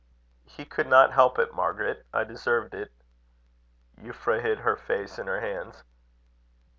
"He could not help it, Margaret. I deserved it." Euphra hid her face in her hands.